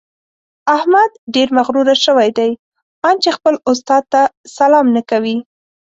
احمد ډېر مغروره شوی دی؛ ان چې خپل استاد ته سلام نه کوي.